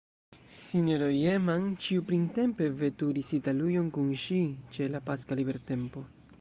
S-ro Jehman ĉiuprintempe veturis Italujon kun ŝi, ĉe la paska libertempo.